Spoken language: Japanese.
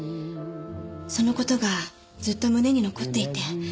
その事がずっと胸に残っていて。